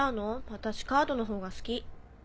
私カードのほうが好き。